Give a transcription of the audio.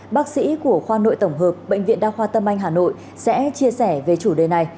bác sĩ của khoa nội tổng hợp bệnh viện đa khoa tâm anh hà nội sẽ chia sẻ về chủ đề này